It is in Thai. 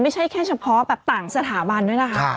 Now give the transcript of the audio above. ไม่ใช่แค่เฉพาะแบบต่างสถาบันด้วยนะคะ